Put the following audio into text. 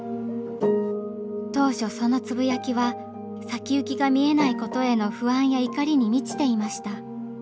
当初そのつぶやきは先行きが見えないことへの不安や怒りに満ちていました。